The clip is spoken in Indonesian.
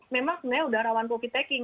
memang sebenarnya sudah rawan koki taking